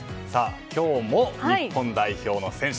今日も日本代表の選手。